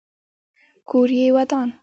کور یې ودان.